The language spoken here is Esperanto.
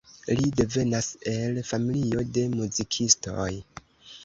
Li devenas el familio de muzikistoj.